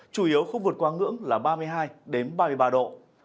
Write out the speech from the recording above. chủ yếu khu vực quang ngưỡng là ba mươi hai đến ba mươi ba độ